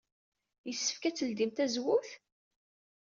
Yessefk ad tledyem tazewwut?